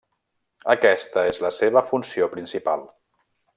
Aquesta és la seva funció principal.